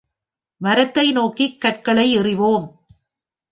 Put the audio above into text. மரத்தை நோக்கிக் கற்களை எறிவோம்.